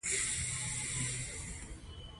د غوږ ایښودنې ډولونه